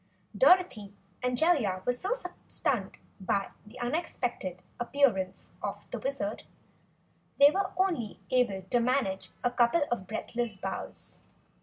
Dorothy and Jellia were so stunned by the unexpected appearance of the Wizard, they were able only to manage a couple of breathless bows.